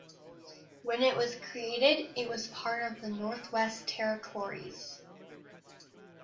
When it was created, it was part of the Northwest Territories.